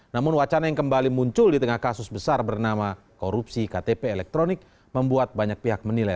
namun wacana yang kembali muncul di tengah kasus besar bernama korupsi ktp elektronik membuat banyak pihak menilai